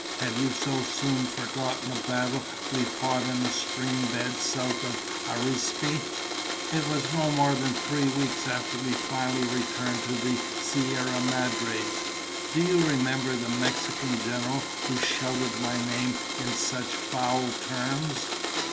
"Have you so soon forgotten the battle we fought in the stream bed south of Arispe? It was no more than three weeks after we finally returned to the Sierra Madres. Do you remember the Mexican general who shouted my name in such foul terms?